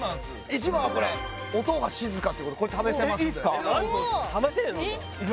１番はこれ音が静かってことこれ試せますんでいいっすか？